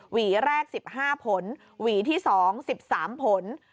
หวีแรก๑๕ผลหวีที่๒๑๓ผล